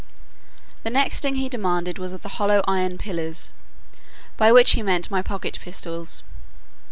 The next thing he demanded was one of the hollow iron pillars; by which he meant my pocket pistols.